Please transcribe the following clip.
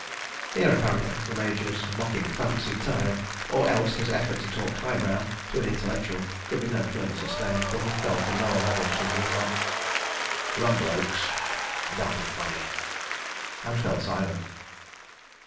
..." Here, apparently, the Major's mocking fancy tired, or else his effort to talk "high brow" to an Intellectual could be no further sustained, for he fell to lower levels with the remark: "Rum blokes. .. Dam' funny. .." and fell silent.